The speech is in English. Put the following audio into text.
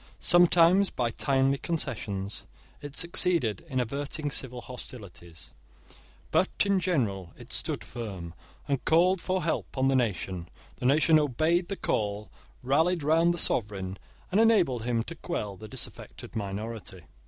Sometimes, by timely concessions, it succeeded in averting civil hostilities; but in general it stood firm, and called for help on the nation. The nation obeyed the call, rallied round the sovereign, and enabled him to quell the disaffected minority.